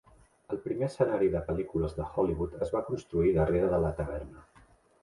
El primer escenari de pel·lícules de Hollywood es va construir darrere de la taverna.